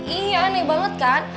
iya aneh banget kan